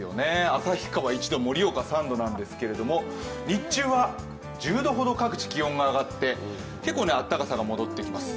旭川１度、盛岡３度なんですけど日中は１０度ほど各地気温が上がって、結構暖かさが戻ってきます。